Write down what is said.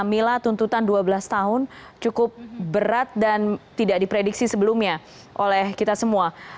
mila tuntutan dua belas tahun cukup berat dan tidak diprediksi sebelumnya oleh kita semua